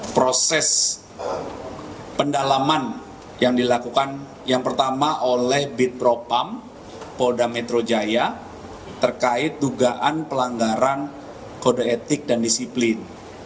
proses pendalaman yang dilakukan yang pertama oleh bid propam polda metro jaya terkait dugaan pelanggaran kode etik dan disiplin